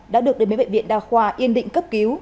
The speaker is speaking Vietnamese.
đã được đưa đến bệnh viện đa khoa yên định cấp cứu